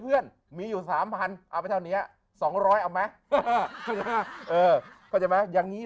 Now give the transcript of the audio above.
เพื่อนมีอยู่๓๐๐เอาไปเท่านี้๒๐๐เอาไหมเข้าใจไหมอย่างนี้